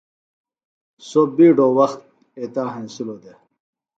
سوۡ بِیڈوۡ وخت ایتا ہینسِلوۡ دےۡ